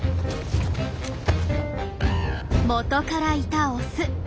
元からいたオス。